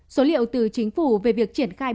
số liệu từ chính phủ về việc triển khai